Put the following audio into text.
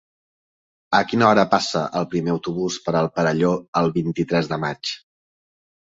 A quina hora passa el primer autobús per el Perelló el vint-i-tres de maig?